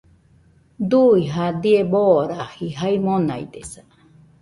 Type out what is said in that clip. Dui jadie boraji jae monaidesa